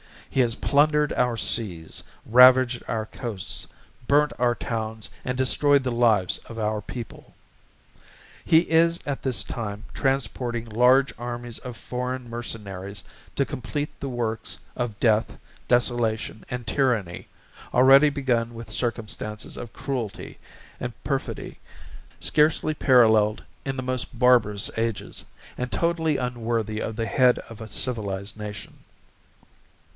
He has plundered our seas, ravaged our Coasts, burnt our towns, and destroyed the lives of our people. He is at this time transporting large armies of foreign mercenaries to compleat the works of death, desolation and tyranny, already begun with circumstances of Cruelty & perfidy scarcely paralleled in the most barbarous ages, and totally unworthy of the Head of a civilized nation.